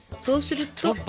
そうすると。